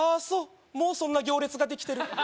そうもうそんな行列ができてる？